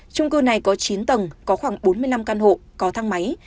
trung cư này có chín tầng có khoảng bốn mươi năm căn hộ có thang máy